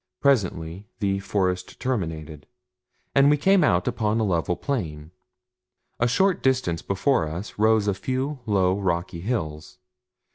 Presently the forest terminated, and we came out upon a level plain. A short distance before us rose a few low, rocky hills.